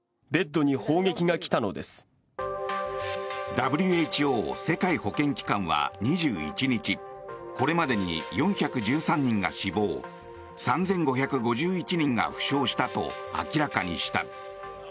ＷＨＯ・世界保健機関は２１日これまでに４１３人が死亡３５５１人が負傷したと明らかにした。